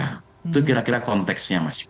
itu kira kira konteksnya mas